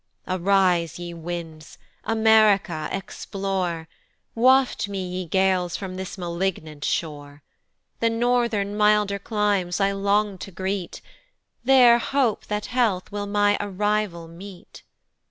"Arise, ye winds, America explore, "Waft me, ye gales, from this malignant shore; "The Northern milder climes I long to greet, "There hope that health will my arrival meet."